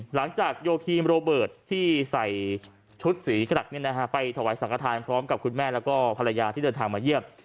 หลังจากโยครีมโรเบิร์ตที่ใส่ชุดสีขนาดเนี้ยนะฮะไปถวายสังคทายพร้อมกับคุณแม่แล้วก็ภรรยาที่เดินทางมาเยี่ยม